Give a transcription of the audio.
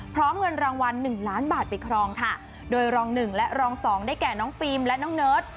พร้อมเงินรางวัลหนึ่งล้านบาทไปครองค่ะโดยรองหนึ่งและรองสองได้แก่น้องฟิล์มและน้องเนิร์ด